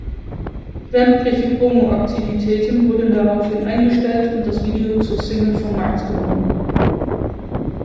Sämtliche Promo-Aktivitäten wurden daraufhin eingestellt und das Video zur Single vom Markt genommen.